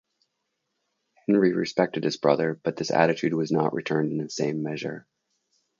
Henry respected his brother, but this attitude was not returned in the same measure.